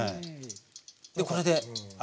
でこれで。